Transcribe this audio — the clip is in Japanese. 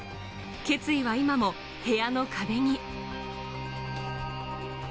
決意は今も部屋の壁に。